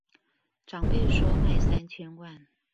長輩說賣三千萬